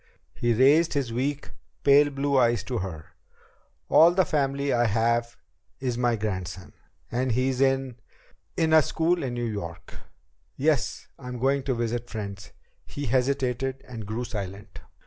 He raised his weak, pale blue eyes to hers. "All the family I have is my grandson. And he's in in a school in New York. Yes, I'm going to visit friends." He hesitated and grew silent.